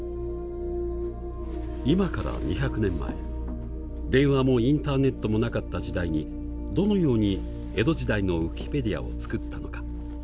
今から２００年前電話もインターネットもなかった時代にどのように江戸時代のＷｉｋｉｐｅｄｉａを作ったのか。